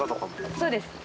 そうです。